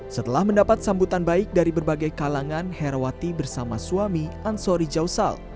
setelah mendapat sambutan baik dari berbagai kalangan herawati bersama suami ansori jasal